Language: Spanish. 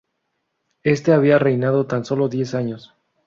Este había reinado tan solo diez años.